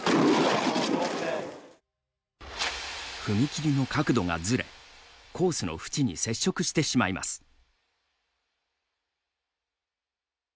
踏み切りの角度がずれコースの縁に接触してしまいます。